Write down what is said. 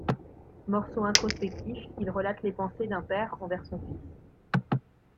Morceau introspectif, il relate les pensées d’un père envers son fils.